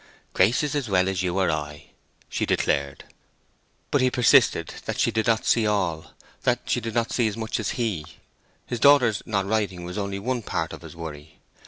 "Grace is as well as you or I," she declared. But he persisted that she did not see all—that she did not see as much as he. His daughter's not writing was only one part of his worry.